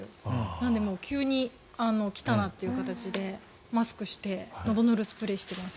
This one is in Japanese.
なので、急に来たなという形でマスクしてのどぬーるスプレーしてます。